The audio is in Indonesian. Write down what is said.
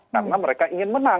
karena mereka ingin menang